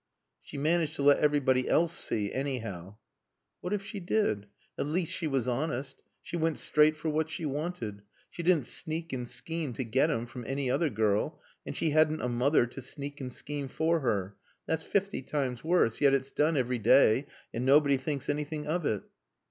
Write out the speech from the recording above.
"She managed to let everybody else see, anyhow." "What if she did? At least she was honest. She went straight for what she wanted. She didn't sneak and scheme to get him from any other girl. And she hadn't a mother to sneak and scheme for her. That's fifty times worse, yet it's done every day and nobody thinks anything of it."